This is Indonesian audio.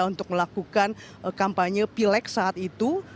dan melakukan kampanye pilek saat itu